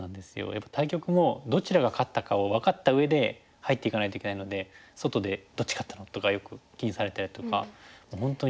やっぱり対局もどちらが勝ったかを分かった上で入っていかないといけないので外で「どっち勝ったの？」とかよく気にされたりとか本当にね。